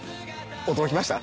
驚きました？